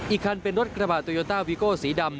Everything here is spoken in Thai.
อีกคันเป็นรถกระบาดโตโยต้าวีโก้สีดำ